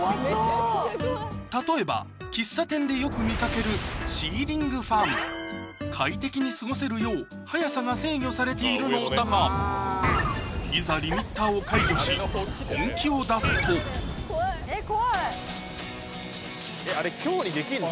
例えば喫茶店でよく見かけるシーリンングファン快適に過ごせるよう速さが制御されているのだがいざリミッターを解除し本気を出すとあれ強にできんの？